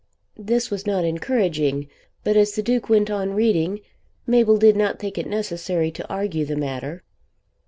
This was not encouraging, but as the Duke went on reading, Mabel did not think it necessary to argue the matter.